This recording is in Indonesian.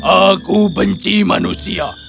aku benci manusia